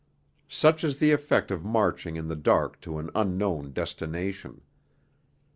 Such is the effect of marching in the dark to an unknown destination.